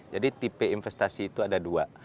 jadi tipe investasi itu ada dua